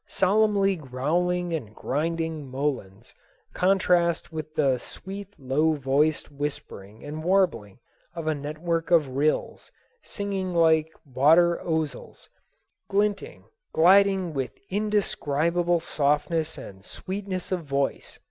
Solemnly growling and grinding moulins contrast with the sweet low voiced whispering and warbling of a network of rills, singing like water ouzels, glinting, gliding with indescribable softness and sweetness of voice.